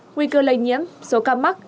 nguy cơ lây nhiễm số ca mắc